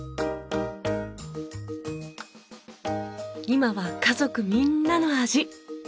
今は家族みんなの味。